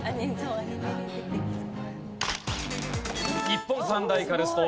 日本三大カルスト。